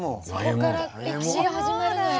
そこから歴史が始まるのよ。